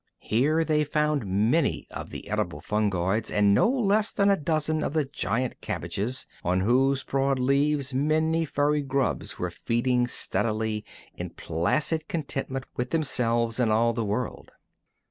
Here they found many of the edible fungoids, and no less than a dozen of the giant cabbages, on whose broad leaves many furry grubs were feeding steadily in placid contentment with themselves and all the world.